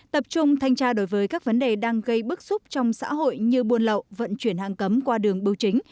tập trung thanh tra đối với các vấn đề đang gây bức xúc trong xã hội như buôn lậu vận chuyển hạng cấm qua đường bưu chính